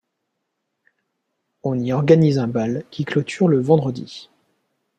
On y organise un bal, qui clôture le vendredi.